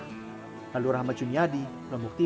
mereka berharap agar ekspor benih lobster bisa dihentikan sementara